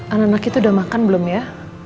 anak anak itu udah makan belum ya